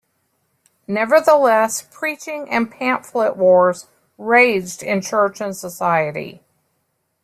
Nevertheless, preaching and pamphlet wars raged in church and society.